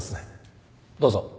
どうぞ。